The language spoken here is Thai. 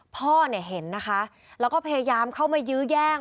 พ่อเนี่ยเห็นนะคะแล้วก็พยายามเข้ามายื้อแย่ง